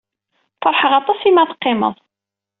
Feṛḥeɣ aṭas imi ad teqqimeḍ.